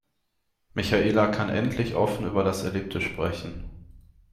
Michaela kann endlich offen über das Erlebte sprechen.